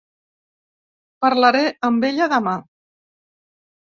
Parlaré amb ella demà.